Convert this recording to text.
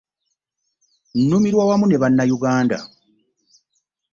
Nnumirwa wamu ne bannayuganda.